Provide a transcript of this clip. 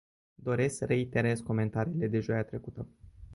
Doresc să reiterez comentariile de joia trecută.